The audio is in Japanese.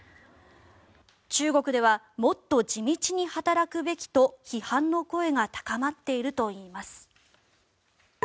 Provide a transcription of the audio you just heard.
中国ではもっと地道に働くべきと批判の声が高まっているといいます。